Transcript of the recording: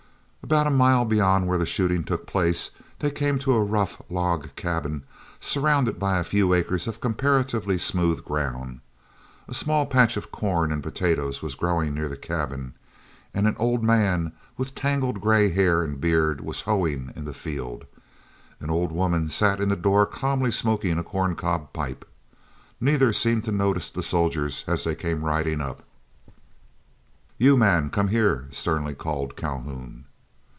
About a mile beyond where the shooting took place they came to a rough log cabin, surrounded by a few acres of comparatively smooth ground. A small patch of corn and potatoes was growing near the cabin, and an old man with tangled gray hair and beard was hoeing in the field. An old woman sat in the door calmly smoking a corn cob pipe. Neither seemed to notice the soldiers as they came riding up. "You, man, come here!" sternly called Calhoun.